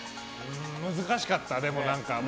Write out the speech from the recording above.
難しかった。